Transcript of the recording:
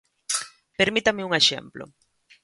Permítame un exemplo.